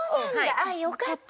あっよかったね。